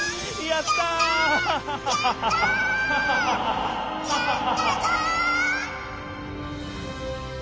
やったぞ！